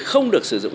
không được sử dụng